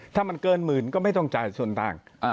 ถ้ามันเกินหมื่นก็ไม่ต้องจ่ายส่วนต่าง